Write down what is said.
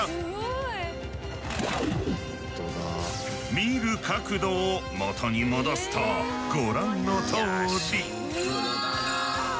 見る角度を元に戻すとご覧のとおり。